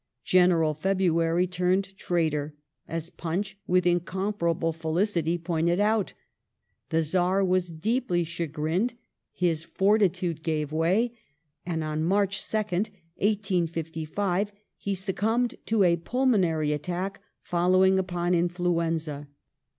" General February turned traitor," as Punch with incomparable felicity pointed out. The Czar was deeply chagrined, his fortitude gave way, and on March 2nd, 1855, he succumbed to a pulmonary attack, following upon influenza.